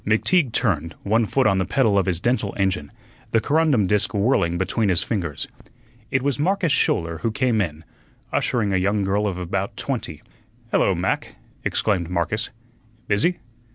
McTeague turned, one foot on the pedal of his dental engine, the corundum disk whirling between his fingers. It was Marcus Schouler who came in, ushering a young girl of about twenty. "Hello, Mac," exclaimed Marcus; "busy?